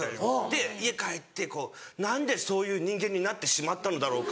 で家帰って何でそういう人間になってしまったのだろうか。